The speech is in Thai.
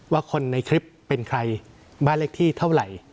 ว่าคนในคลิปเป็นใครบ้านเลขที่เท่าไหร่